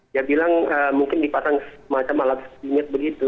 dia bilang mungkin dipasang semacam alat skimit begitu